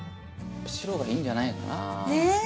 白がいいんじゃないかなあ。ね！